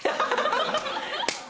ハハハハ！